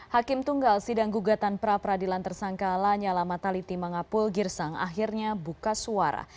hakim tunggal sidang gugatan pra peradilan tersangka lanyala mataliti mangapul girsang akhirnya buka suara